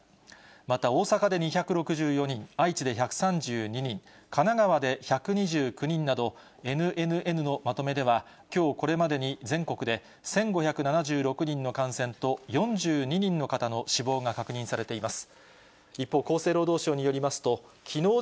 また、大阪で２６４人、愛知で１３２人、神奈川で１２９人など、ＮＮＮのまとめでは、きょうこれまでに全国で、１５７６人の感染と４２人の方の死亡が確認されています。